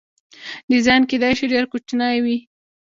ډیزاین کیدای شي ډیر کوچنی وي.